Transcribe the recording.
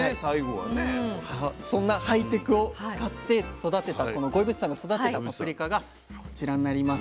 そんなハイテクを使って五位渕さんが育てたパプリカがこちらになります。